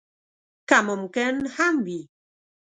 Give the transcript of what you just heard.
که ممکن هم وي.